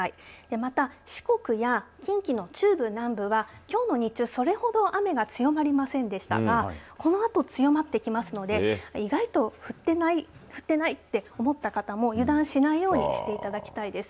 また四国や近畿の中部、南部はきょうの日中それほど雨が強まりませんでしたがこのあと、強まってきますので意外と降ってないと思った方も油断しないようにしていただきたいです。